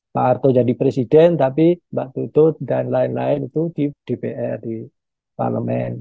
pak harto jadi presiden tapi mbak tutut dan lain lain itu di dpr di parlemen